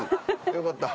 よかった。